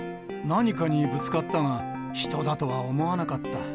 何かにぶつかったが、人だとは思わなかった。